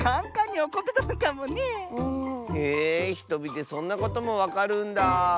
へえひとみでそんなこともわかるんだ。